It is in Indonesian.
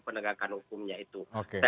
penegakan hukumnya itu